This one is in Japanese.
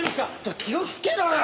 気をつけろよ！